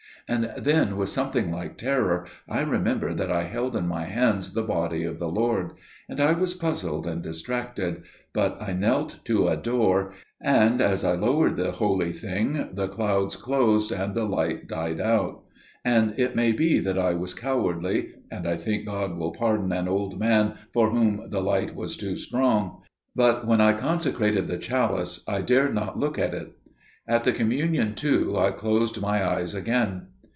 "And then with something like terror I remembered that I held in my hands the Body of the Lord. And I was puzzled and distracted, but I knelt to adore, and as I lowered the Holy Thing, the clouds closed and the light died out. And it may be that I was cowardly––and I think God will pardon an old man for whom the light was too strong––but when I consecrated the chalice, I dared not look at it. At the Communion, too, I closed my eyes again."